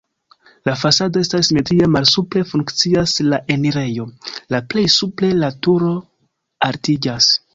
La fasado estas simetria, malsupre funkcias la enirejo, la plej supre la turo altiĝas.